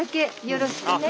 よろしくね。